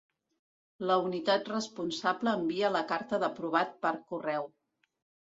La unitat responsable envia la carta d'aprovat per correu.